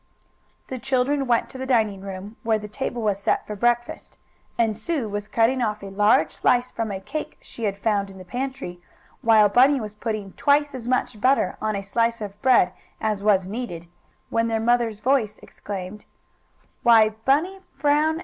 The children went to the dining room, where the table was set for breakfast, and Sue was cutting off a rather large slice from a cake she had found in the pantry, while Bunny was putting twice as much butter on a slice of bread as was needed, when their mother's voice exclaimed: "Why, Bunny Brown!